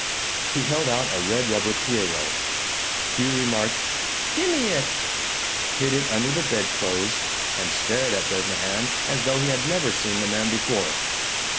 He held out a red rubber Pierrot. Hugh remarked, "Gimme it," hid it under the bedclothes, and stared at Bresnahan as though he had never seen the man before.